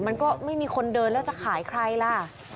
มันก็ไม่มีคนเดินแล้วจะขายใครล่ะ